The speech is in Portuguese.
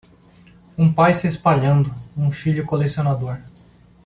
Um pai se espalhando, um filho colecionador.